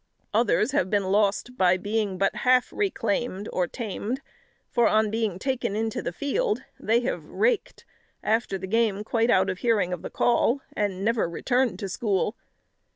Others have been lost by being but half "reclaimed," or tamed; for on being taken into the field, they have "raked," after the game quite out of hearing of the call, and never returned to school.